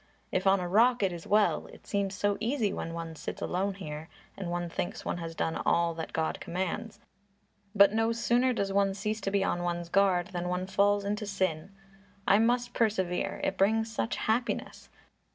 "If on a rock it is well. It seems so easy when one sits alone here, and one thinks one has done all that God commands, but no sooner does one cease to be on one's guard than one falls into sin. I must persevere; it brings such happiness!